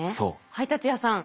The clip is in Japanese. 配達屋さん。